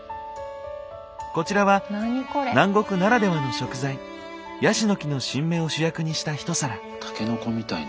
こちらは南国ならではの食材ヤシの木の新芽を主役にした一皿。